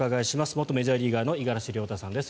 元メジャーリーガーの五十嵐亮太さんです。